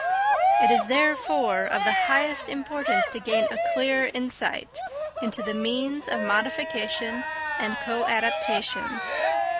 It is, therefore, of the highest importance to gain a clear insight into the means of modification and coadaptation.